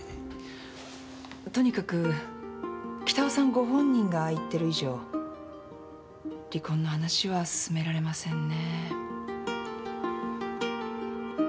とにかく北尾さんご本人がああ言ってる以上離婚の話は進められませんね。